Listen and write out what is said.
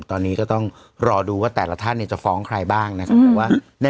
ตอนนี้ก็ต้องรอดูว่าแต่ละท่านจะฟ้องใครบ้างนะครับ